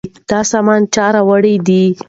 دا سامان چا راوړی دی؟